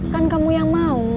kan kamu yang mau